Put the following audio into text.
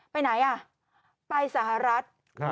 ไปไหนอ่ะไปสหรัฐ